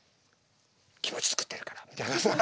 気持ち作ってるから」みたいなさ。